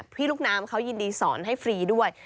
พี่ลูกน้ำเขายินดีสอนให้ฟรีด้วย